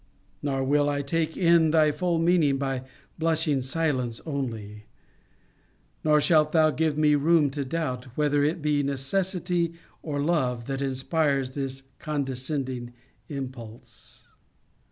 Nor will I take in thy full meaning by blushing silence only. Nor shalt thou give me room to doubt, whether it be necessity or love, that inspires this condescending impulse.